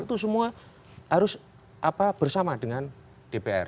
itu semua harus bersama dengan dpr